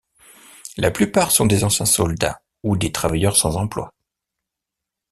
La plupart sont des anciens soldats ou des travailleurs sans emploi.